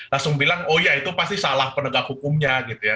langsung bilang oh ya itu pasti salah penegak hukumnya gitu ya